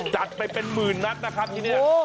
จัดไปเป็นหมื่นนัดนะครับที่นี่